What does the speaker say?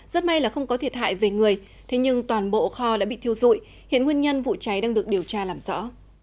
rất may là không có thiệt hại về người thế nhưng toàn bộ kho đã bị thiêu dụi hiện nguyên nhân vụ cháy đang được điều tra làm rõ